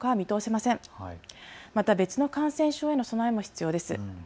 また別の感染症への備えも必要です。